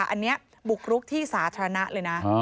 อันนี้บุกรุกที่สาธารณะเลยนะ